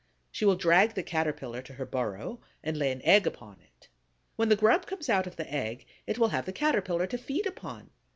She will drag the Caterpillar to her burrow and lay an egg upon it. When the grub comes out of the egg, it will have the Caterpillar to feed upon.